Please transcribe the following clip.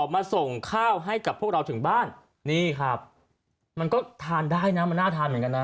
มาส่งข้าวให้กับพวกเราถึงบ้านนี่ครับมันก็ทานได้นะมันน่าทานเหมือนกันนะ